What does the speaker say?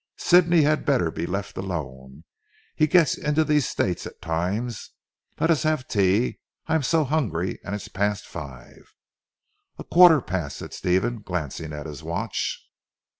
Sidney had better be left alone. He gets into these states at times. Let us have tea. I am so hungry, and it's past five." "A quarter past," said Stephen glancing at his watch.